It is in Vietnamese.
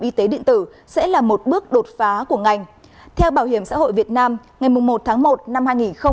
y tế điện tử sẽ là một bước đột phá của ngành theo bảo hiểm xã hội việt nam ngày một tháng một năm